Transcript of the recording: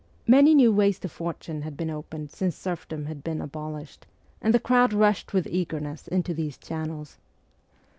Many new ways to fortune had been opened since serfdom had been abolished, and the crowd rushed with ST. PETERSBURG 33 eagerness into these channels.